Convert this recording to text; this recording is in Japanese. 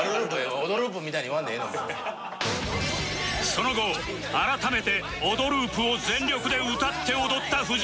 その後改めて『オドループ』を全力で歌って踊った藤本